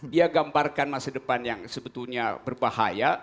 dia gambarkan masa depan yang sebetulnya berbahaya